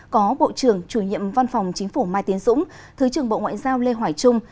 có bộ trưởng chủ nhiệm văn phòng chính phủ mai tiến dũng thứ trưởng bộ ngoại giao lê hoài trung